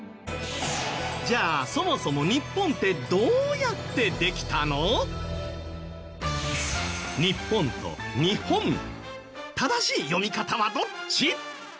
じゃあそもそもニッポンとニホン正しい読み方はどっち？